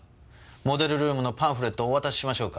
モデルルームのパンフレットをお渡ししましょうか？